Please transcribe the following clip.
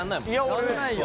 やんないよ。